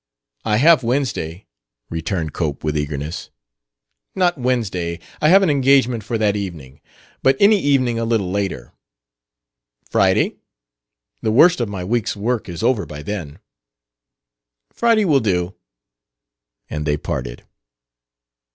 "I have Wednesday," returned Cope, with eagerness. "Not Wednesday. I have an engagement for that evening. But any evening a little later." "Friday? The worst of my week's work is over by then." "Friday will do." And they parted.